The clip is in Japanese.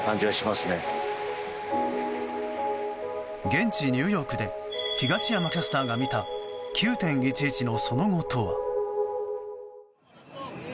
現地ニューヨークで東山キャスターが見た９・１１のその後とは？